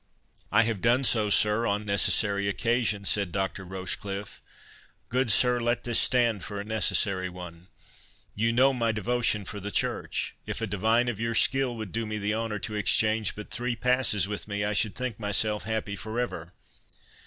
"I have done so, sir, on necessary occasion," said Dr. Rochecliffe. "Good sir, let this stand for a necessary one," said Wildrake. "You know my devotion for the Church. If a divine of your skill would do me the honour to exchange but three passes with me, I should think myself happy for ever."